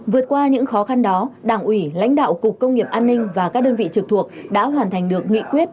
vượt qua những khó khăn đó đảng ủy lãnh đạo cục công nghiệp an ninh và các đơn vị trực thuộc đã hoàn thành được nghị quyết